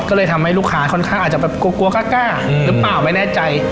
ก็เลยทำให้ลูกค้าค่อนข้างอาจจะแบบกลัวกล้าหรือเปล่าไม่แน่ใจ